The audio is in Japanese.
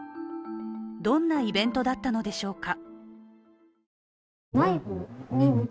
どんなイベントだったのでしょうか。